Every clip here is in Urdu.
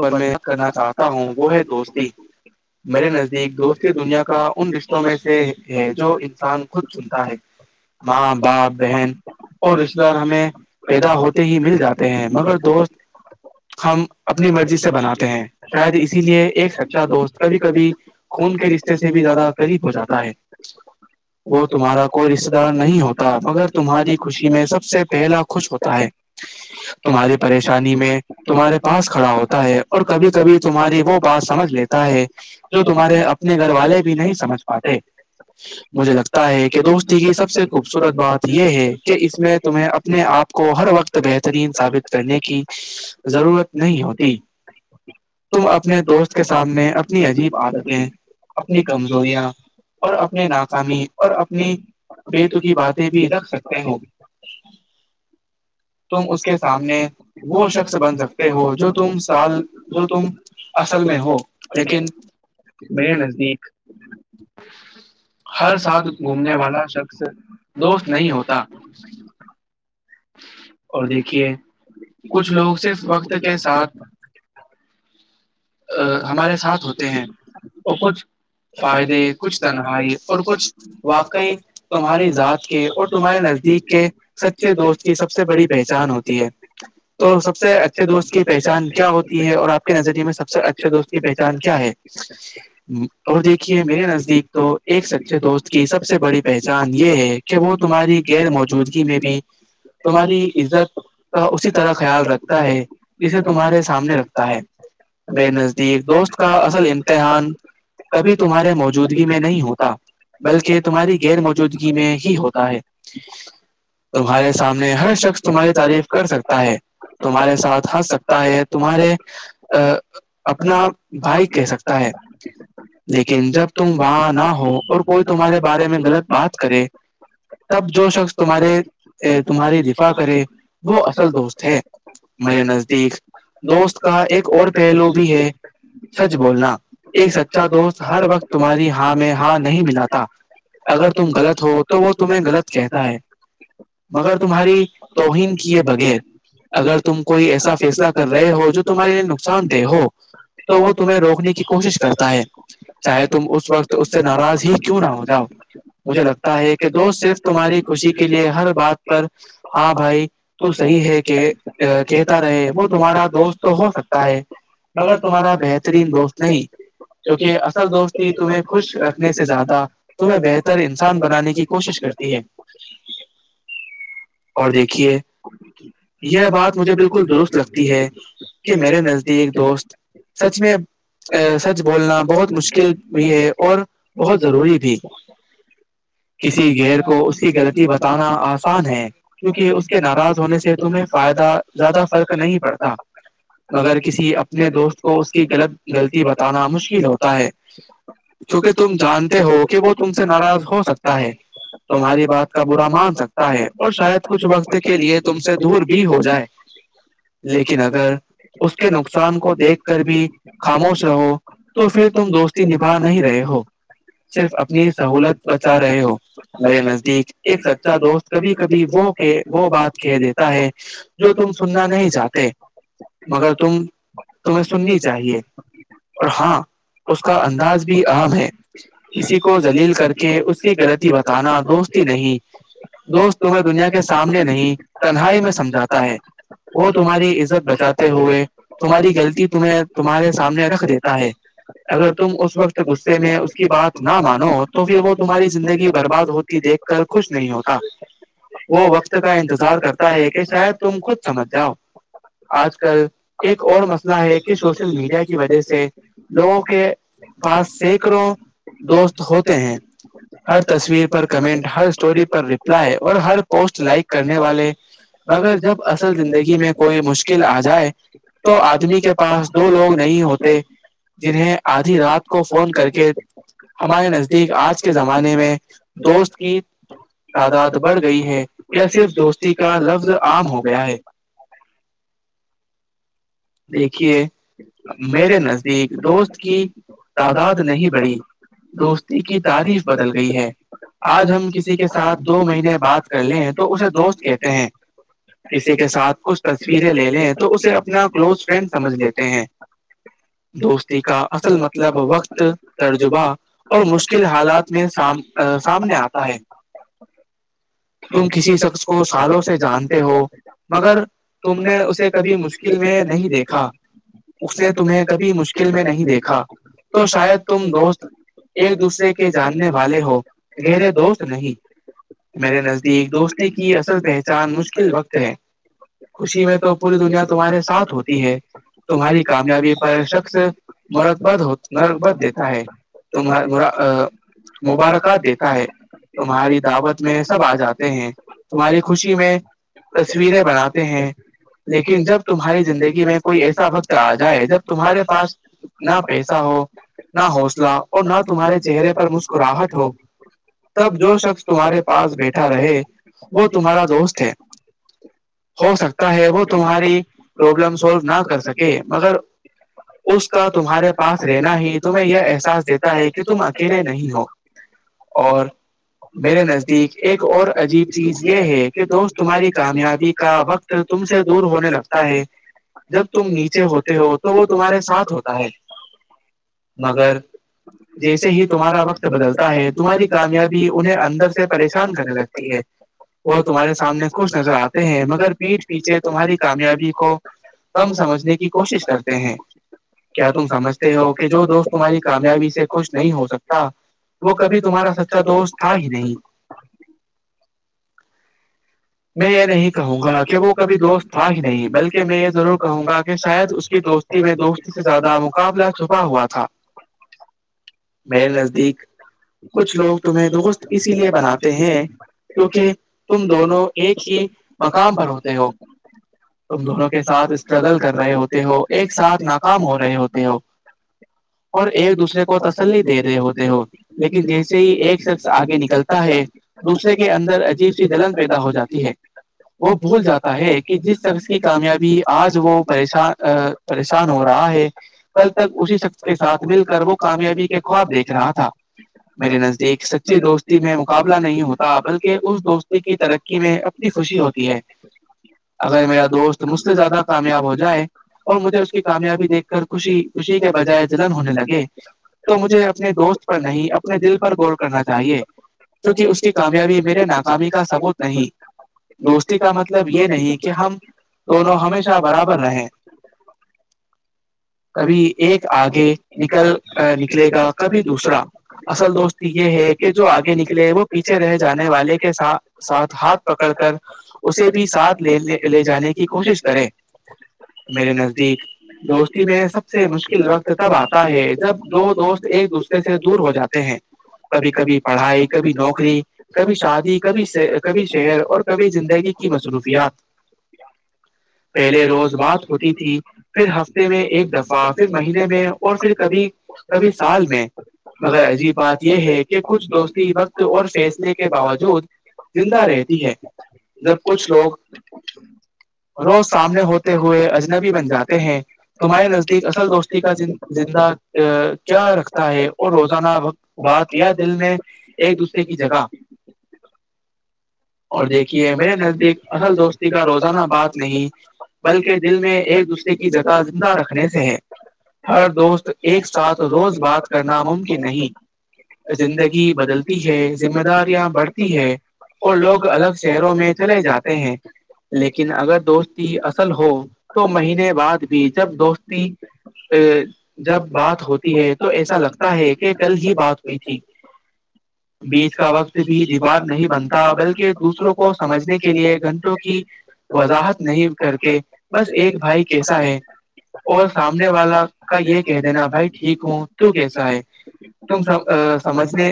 پر میں کرنا چاہتا ہوں وہ ہے دوستی میرے نزدیک دوستی دنیا کا ان رشتوں میں سے ہے جو انسان خود سنتا ہے ماں باپ بہن اور رشتے دار ہمیں پیدا ہوتے ہی مل جاتے ہیں مگر دوست ہم اپنی مرضی سے بناتے ہیں شاید اسی لیے ایک سچا دوست کبھی کبھی خون کے رشتے سے بھی زیادہ قریب ہو جاتا ہے وہ تمہارا کوئی رشتتے دار نہیں ہوتا مگر تمہاری خوشی میں سب سے پہلا خوش ہوتا ہے تمہاری پریشانی میں تمہارے پاس کھڑا ہوتا ہے اور کبھی کبھی تمہاری وہ بات سمجھ لیتا ہے جو تمہارے [inaudible] اپنے گھر والے نہیں سمجھ پاتے مجھے لگتا ہے کہ دوست یہ سب سے خوبصورت بات یہ ہے کہ اس میں تمہیں اپنے آپ کو ہر وقت بہترین ثابت کرنے کی ضرورت نہیں ہوتی [inaudible] تم اپنے دوست کے سامنے اپنی عجیب عادتیں اپنی کمزوریاں [inaudible] اور اپنے ناکامی اور اپنی بیےتکی باتیں بھی رکھ سکتے ہیں تم اس کے سامنے وہ شخص بن سکتے ہو جو تم سال جو تم اصل میں ہو لیکن [inaudible] میرے نزدیک ہر ساتھ گھومنے والا دوست نہیں ہوتا [inaudible] اور دیکھیے کچھ لوگ صرف وقت کے ساتھ ہمارے ساتھ ہوتے ہیں ان فائدے کچھ تنہائی اور کچھ واقعی تمہاری ذات کے اور تمہارے نزدیک سچے دوست کی سب سے بڑی پہچان ہوتی ہے تو سب سے اچ دوست کی پہچان کیا ہوتی ہے اور آپ کے نظریے میں سب س ا تو اس کی پہچان کیا ہے اور دیکھیے میرے نزدیک تو ایک سچے دوست کی سب سے بڑی پہچان یہ ہے کہ وہ تمہاری غیر موجودگی میں بھی تمہاری عزت کا اسی طرح خیال رکھتا ہے اسے تمہارے سامنے رکھتا ہے بے نزدیک دوست کا اصل امتحان کبھی تمہارے موجودگی میں نہیں ہوتا بلکہ تمہاری غیر موجودگی میں ہی ہوتا ہے تمہارے سامنے ہر شخص تمہاری تعریف کر سکتا ہے تمہارے ساتھ ہنس سکتا ہے تمہارے اپنا بھائی کہہ سکتا ہے بر کہہ سکتا لیکن جب تم وہاں نہ ہو اور کوئی تمہارے بارے میں غلط بات کرے تب جو شخص تمہارے تمہاری دفاع کرے وہ اصل دوست ہے مے نزدیک دوست کا ایک اور پہلو بھی ہے سچ بولنا ایک سچا دوست ہر وقت تمہاری ہاں میں ہاں نہیں ملا تھا اگر تم غلط ہو تو وہ تمہیں غلط کہتا ہے مگر تمہاری توحی ہی ہے بغیر اگر کوئی ایسا فیصلہ کر رہے ہے ہو جواری سام دے ہو تو وہ تمہیں روکنے کی کوشش کرتا ہے چاہے تم اس وقت تو اس سے ناراض ہی کیوں نہ ہو جاک مجھے لگتا ہے کہ دوست صرف تمہاری خوشی کے لیے ہر بات ہاں بھائی تو صحیح ہے کہ کہتا نہیں وہ تمہارا دوست تو ہو سکتا مگر تمہارا بہترین دوست نہیں کیونکہ اصل دوستی تمہیں خوش رکھنے سے زیادہ تمہیں بہتر انسان بنانے کی کوشش کرتی ہے اور دیکھیے یہ بات مجھے بالکل درست لگتی ہے کہ میرے نزدیک دوست سچ میں سچ بولنا بہت مشکل بھی ہے اور بہت ضروری بھی کسی گر کو اس کی غلطی بتانا آسان ہے کیونکہ اس کے ناراض ہونے سے تمہیں فائدہ زیادہ فرق نہیں پڑتا مگر کسی اپنے دوست کو اس کی غلط غلطی بتانا مشکل ہوتا ہے کیونکہ تم جانتے ہو کہ وہ تم سے ناراض ہو سکتا ہے تمہاری بات کا برا مان سکتا ہے اور شاید کچھ وقت کے لیے تم سے دور بھی ہو جائے لیکن اگر اس کے نقصان کو دیکھ کر بھی خاموش رہو تو پھر تم دوستی نبھا نہیں رہے ہو صرف اپنی سہولت بچا رہے ہو ہمارے نزدیک ایک سچا دوست کبھی کبھی وہ وہ بات کہ دیتا ہے سننا نہیں چاہتے مگر تم تمہیں سننی چاہیے اور ہاں اس کا انداز بھی عام ہے کسی کو ذلیل کر کے اس کی غلط بتانا دوستی نہیں دوست تمہیں دنیا کے سامنے نہیں تنہائی میں سمجھاتا ہے وہ تمہاری عزت بچاتا ہوئے تمہاری غلطی تمیں تمہارے سامنے رکھ دیتا ہے اگر تم اس وقت تو اس سے میں اس کی بات نہ مانوں تو بھی وہ تمہاری زندگی برباد ہوتی دیکھ کر خچش نہیں ہوتا وہ وقت کا انتظار کرتا ہے کہ شاید تم خود سمجھ جاؤ آج کل ایک اور مسئلہ ہے کہ سوشل میڈیا کی وجہ سے لوگوں کے پانچ سینکڑوں دوست ہوتے ہیں ہر تصویر پر کمنٹ ہر اسٹوری پر رپ اور ہر پوسٹ لائک کرنے والے مگر جب زندگی میں کوئی مشکل آ جائے تو آدمی کے پاس دو لوگ نہیں ہوتے جنہیں آدھی رات کو فون کر کے ہمارے نزدیک آج کے زمانے میں دوست کی تعداد بڑھ گئی ہے یا صرف دوستی کا لفظ عام ہو گیا ہے دیکھیے میرے نزدیک دوست کی تعداد نہیں بڑی دوستی کی تاریف بدل گئی ہے آج ہم کسی کے ساتھ دو مہینے بات کر لے ہیں تو اسے دوست کہتے ہیں کسی کے ساتھ کچھ تصویریں لینے تو اسے اپنا کلو سمجھ لیتے ہیں دوستی کا اصل مطلب وقت ترجمہ اور مشکل حالات میں ساتھ سامنے آتا ہے تم کسی شخص کو سالوں سے جانتے ہو مگر تم نے اسے کبھی مشکل میں نہیں دیکھا اس نے تمہیں کبھی مشکل میں نہیں دیکھا تو شاید تم دوست ایک دوسرے کے جاننے والے ہو گہرے دوست نہیں میرے نزد ایک دوستتے کی اصل پہچان مشکل وقت ہے خوشی میں تو پوری دنیا تمہارے ساتھ ہو ہیں تمہاری کامیابی پر شخص مرکبت مرکبت دیتا ہے تم مبارکاد دیتا ہے تمہاری دعوت میں سب آ جاتا ہیں تمہاری خوشی میں تصویریں بناتے ہیں لیکن جب تمہاری زندگی دیکھیے میں کوئی ایسا وقت آ جائے جب تمہارے پاسنا پیسا ہو نہ حوصلہ اور نہ تمہارے چہرے پر مسکراہٹ ہو تب جو شخص تمہارے پاس بیٹھا رہے وہ تمہارا دوست ہے ہو سکتا ہے وہ تمہاری پرابلم سولو نہ کر سکے مگر اس کا تمہارے پاس رہنا ہی تمہیں یہ احساس دیتا ہے کہ تم اکیلے نہیں ہو اور میرے نزدیک ایک اور عجیب چیز یہ ہے کہ دوست تمہاری کامیابی کا وقت تم سے دور ہونے لگتا ہے جب تم نیچے ہوتے ہو تو وہ تمہارے ساتھ ہوتا ہے مگر جیسے ہی تمہارا وقت بدلتا ہے تمہاری کامیابی انہیں اندر سے پریشان کرنے لگتی ہے وہ تمہارے سامنے خوش نظر آتے ہیں مگر پیٹھ پیچھے تمہاری کامیابی کو کم سمجھنے کی کوشش کرتے ہیں کیا تم سمجھتے ہو کہ جو دوست تمہاری کاریابی سے کچھ نہیں ہو سکتا وہ کب تمہارا سچا دوست تھا ہی میں یہ نہیں کہوں گا کہ وہ کبھی دوست ہوا ہی نہیں بلکہ میں یہ ضرور کہوں گا کہ شاید اس کی دوست دو سے زیادہ مقابلہ چھپا ہوا تھا میرے نزدیک کچھ لوگ تمہیں دوست اسی لیے بناتے ہیں کیونکہ تم دونوں ایک ہی مقام پر ہوتے ہو تم دونوں کے ساتھ اسٹرگل کر رہے ہوتے ہو ایک ساتھ ناکام ہو رہے ہوتے ہو اور ایک دوسرے کو تسلی دے رہے ہوتے ہو لیکن جیسے ہی ایک شخص آگے نکلتا ہے دوسرے کے اندر عجیب سی جلن پیدا ہو جاتی ہے وہ بھول جاتا ہے کہ جس شخص کی کامیابی آج وہ پریشان پریشان ہو رہا ہے کل تک اسی شخص کے ساتھ مل کر وہ کامیابی کے خواب دیکھ رہا تھا میرے نزدیک سچی دوستی میں مقابلہ نہیں ہوتا بلکہ اس دوست کی طرف اپنی خوشی ہوتی ہے خشی ہوتی ہے اگر میرا دوست مجھ سے زیادہ کامیاب ہو جائے اور مجھے اس کی کامیابی دیکھ خوشی خوشی کے بجائے دلن ہونے لگے تو مجھے اپنے دوست پر نہیں دل پر غور کرنا چاہیے کیونکہ اس کی کامیابی میرے ناخابی کا ثبوت نہیں دوستی کا مطلب یہ نہیں کہ ہم دونوں ہمیشہ برابر رہیں کبھی ایک آگے نکل نکلے گا کبھی دوسرا اصل دوست یہ ہے کہ جو آگے نکلے وہ پیچھے رہ جانے والے کے ساتھ ساتھ ہاتھ پکڑ کر اسے بھی ساتھ لے جانے کی کوشش کرے میرے نزدیک دوست میں سب سے مشکل وقت تب آتا ہے جب دو دوست ایک دوسرے سے دور ہو جاتے ہیں کبھی کبھی پڑھائی کبھی نوکری کبھی شادی کبھی کبھی شہر اور کبھی زندگی کی مصروفیات پہلے روز بات ہوتی تھی پھر ہ میں ایک دفعہ پھر مہینے میں اور پھر کبھی کبھی سال میں مگر عجیب بات یہ ہے کہ کچھ دوستی وقت اور فھییلنے کے باوجود زندہ رہتی ہے جب کچھ لوگ روز سامنے ہوتے ہوئے اجنبی بن جاتے ہیں تمہارے نزدیک اصل دوستی کا زندہ کیا رکھتا ہے اور روزانہ بات یہ دل میں ایک دوسرے کی جگہ اور دیکھیے میرے نزدیک اصل دوستی کا روزانہ بات نہیں ہے بلکہ دل میں ایک دوسرے کی جگہ زندہ رکھنے سے ہے ہر دوست ایک ساتھ روز بات کرنا ممکن نہیں زندگی بدلتی ہے ذمہ دار یہاں بڑھتی ہے اور لوگ الگ شہروں میں چلے جاتے ہیں لیکن اگر دوستی اصل ہو تو مہینے بعد بھی جب دوستی ا جب بات ہوتی ہے تو ایسا لگتا ہے کہ کل ہی بات ہوئی تھی بیچ کا وقت بھی عباد نہیں بنتا تھا بلکہ دوسروں کو سمجھنے کے لیے گھنٹوں کی وضاحت نہیں کر کے بس ایک بھائی کیسا ہے اور سامنے والا کا یہ کہہ دینا بھائی ٹھیک ہوں تو کیسا ہے تم س سمجھتے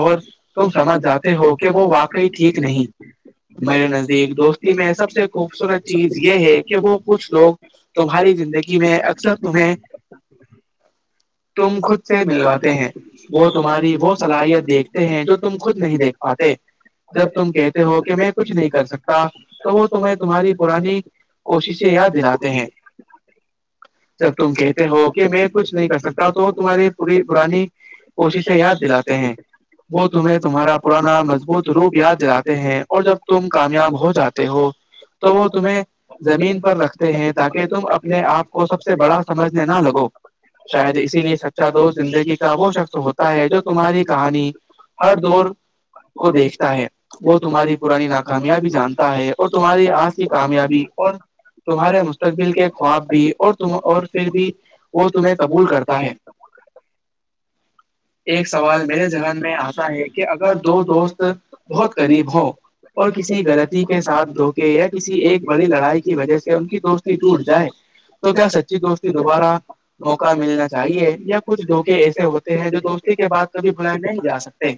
اور تم سمجھ جاتے ہو کہ وہ وپ کئی ٹھیک نہیں میرے نزدیک دوستی میں سب سے خوبصورت چیز یہ ہے کہ وہ کچھ لوگ تمہاری زندگی میں اکثر تمہیں تم خود سے ملواتے ہیں وہ تمہاری وہ صلاحیت دیکھتے ہیں جو تم خود نہیں دیکھ پاتے جب تم کہتے ہو کہ میں کچھ نہیں کر سکتا تو وہ تم تمہاری پرانی کوششیں یاد دلاتے ہیں جب تم کہتے ہو کہ میں کچھ نہیں کر سکتاوں تو تمہاری پوری پرانی کوششیں یاد دلاتے ہیں وہ تمہیں تمہارا پرانا مضبوط روگ یاد دلاتے ہیں اور جب تم کامیاب ہو جاتے ہو تو وہ تمہیں زمین پر رکھتے ہیں تاکہ تم اپنے آپ کو سب سے بڑا سمجھنے نہ لگو شاید اسی لی سچا دوست زندگی کا وہ شخص ہوتا ہے جو تمہاری کہانی ہر دور کو دیک وہ تمہاری پرانی ناکامیابی جانتا ہے اور تمہاری آج کی کامیابی اور تمہارے مستقبل کے خواب بھی اور ت اور پھر بھی وہ تمہیں قبول کرتا ہے ایک سوال میرے ذہن میں آتاا ہے کہ اگر دو دوست بہت قریب ہ اور کسی غلطی کے ساتھ دھو کے یا کسی ایک بڑی لڑائی کی وجہ سے ان کی دوستی ٹوٹ جائے تو کیا سچی دوستی دوبارہ موقع ملنا چاہیے یا کچھ دھوکے ایسے ہو جو دوستی کے بعد کبھی بلائے نہیں جا سکتے